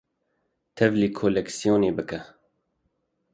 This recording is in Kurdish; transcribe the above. Tevlî koleksiyonê bike.